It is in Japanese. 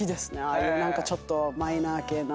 ああいうちょっとマイナー系な。